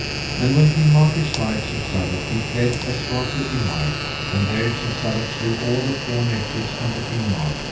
And when King Mark espied Sir Sadok he fled as fast as he might, and there Sir Sadok slew all the four nephews unto King Mark.